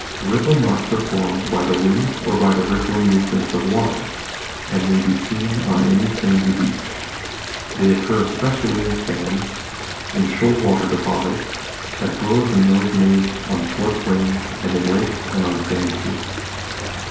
Ripple marks are formed by the wind or by the rip pling movement of water, and may be seen on any sandy Fig. 26 — Rippled Sandstone. Shells in Chalk. beach. They occur especially in sands, in shoal water deposits, as well as in those made on flood plains and in lakes and on sand dunes.